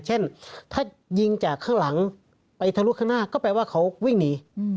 เช่นถ้ายิงจากข้างหลังไปทะลุข้างหน้าก็แปลว่าเขาวิ่งหนี